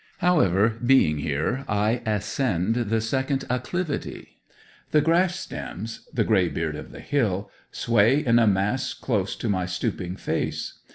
However, being here, I ascend the second acclivity. The grass stems the grey beard of the hill sway in a mass close to my stooping face.